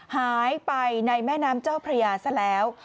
หายไปในแม่น้ำเจ้าพระยาซะแล้ว